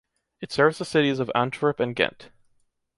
It serves the cities of Antwerp and Ghent.